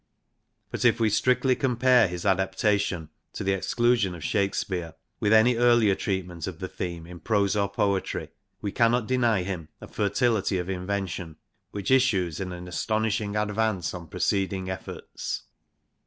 But if we strictly compare his adaptation (to the exclusion of Shakespeare) with any earlier treatment of the theme in prose or poetry, we cannot deny him a fertility of invention, which issues in an astonishing advance on preceding efforts.